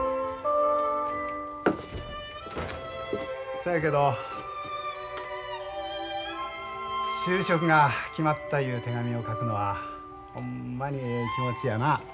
そやけど就職が決まったいう手紙を書くのはほんまにええ気持ちやな。